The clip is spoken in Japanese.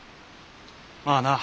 まあな。